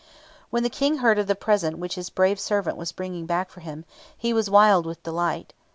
When the King heard of the present which his brave servant was bringing back for him, he was wild with delight.